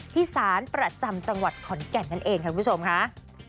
ที่ศาลประจำจังหวัดขอนแก่นนั่นเองค่ะคุณผู้ชมค่ะ